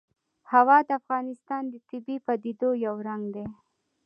هوا د افغانستان د طبیعي پدیدو یو رنګ دی.